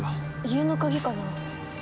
家の鍵かな？